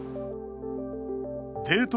デート